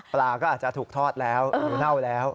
ปลาก็อาจจะถูกทอดแล้วเน่าแล้ว